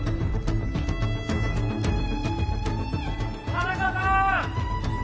田中さーん！